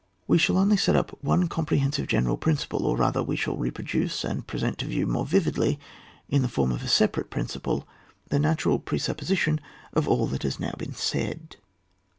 We shall only set up one comprehen sive general principle, or rather we shall reproduce, and present to view more vividly, in the form of a separate prin ciple, the natural presupposition of all that has now been said.